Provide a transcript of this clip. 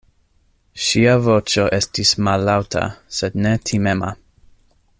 Ŝia voĉo estis mallaŭta, sed ne timema.